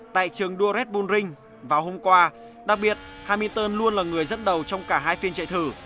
tại trường đua red bull ring vào hôm qua đặc biệt hamilton luôn là người dẫn đầu trong cả hai phiên trại thử